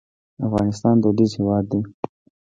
افغانستان دودیز هېواد دی.